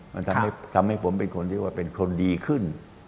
มันทำให้ผมเป็นคนที่ว่าเป็นคนดีขึ้น